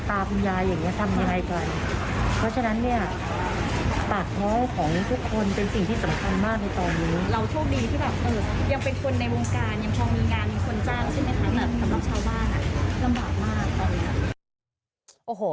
สภาคมนี้เยอะนะครับคุณผู้ชมไปฟังเสียงน้องแป้งกับพี่เอ๋กันค่ะ